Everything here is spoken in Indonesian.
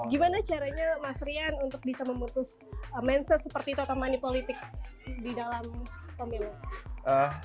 nah gimana caranya mas rian untuk bisa memutus menset seperti itu atau manipolitik di dalam pemilu